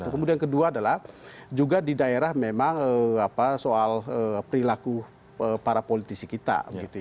kemudian kedua adalah juga di daerah memang soal perilaku para politisi kita